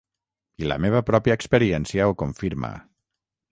I la meva pròpia experiència ho confirma.